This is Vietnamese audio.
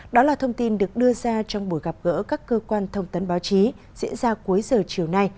đó là thông tin được đưa ra trong buổi gặp gỡ các cơ quan thông tấn báo chí diễn ra cuối giờ chiều nay